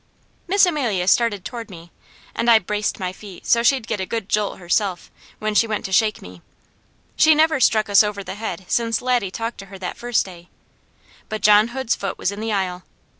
Miss Amelia started toward me, and I braced my feet so she'd get a good jolt herself, when she went to shake me; she never struck us over the head since Laddie talked to her that first day; but John Hood's foot was in the aisle.